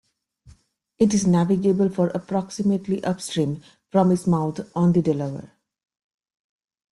It is navigable for approximately upstream from its mouth on the Delaware.